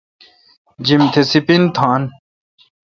جیم تہ سیپین تھان۔